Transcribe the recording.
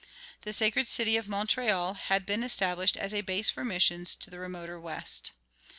The sacred city of Montreal had been established as a base for missions to the remoter west.